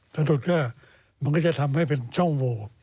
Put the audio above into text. ถ้าหลุดก็มันก็จะทำให้เป็นช่องโว